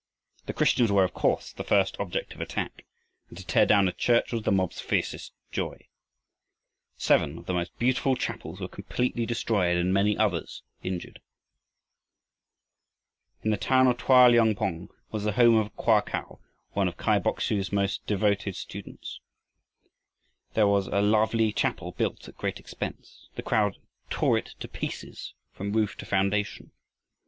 The Christians were of course the first object of attack, and to tear down a church was the mob's fiercest joy. Seven of the most beautiful chapels were completely destroyed and many others injured. In the town of Toa liong pong was the home of Koa Kau, one of Kai Bok su's most devoted students. Here was a lovely chapel built at great expense. The crowd tore it to pieces from roof to foundation.